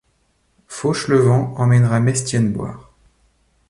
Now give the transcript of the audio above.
Fauchelevent emmènera Mestienne boire.